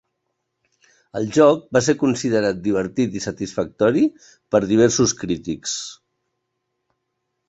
El joc va ser considerat divertit i satisfactori per diversos crítics.